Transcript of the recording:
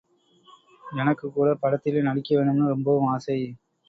எனக்குக் கூட படத்திலே நடிக்க வேணும்னு ரொம்பவும் ஆசை.